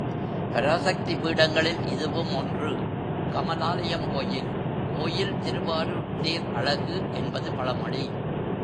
பராசக்தி பீடங்களில் இதுவும் ஒன்று கமலாலயம் கோயில் கோயில் திருவாரூர்த் தேர் அழகு என்பது பழமொழி.